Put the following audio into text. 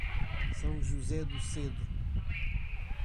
São José do Cedro